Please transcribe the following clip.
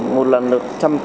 một lần được một trăm tám mươi